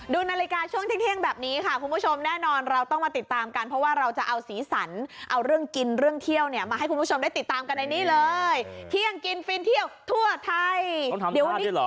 ดูนาฬิกาช่วงเที่ยงแบบนี้ค่ะคุณผู้ชมแน่นอนเราต้องมาติดตามกันเพราะว่าเราจะเอาสีสันเอาเรื่องกินเรื่องเที่ยวเนี่ยมาให้คุณผู้ชมได้ติดตามกันในนี้เลยเที่ยงกินฟินเที่ยวทั่วไทยเดี๋ยววันนี้เหรอ